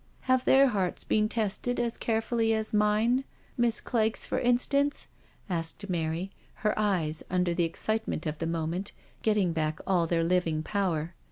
'* Have their hearts been tested as carefully as mine? Miss Clegg's^ for instance? asked Mary, her eyes, under the excitement of the moment, getting back all their living power.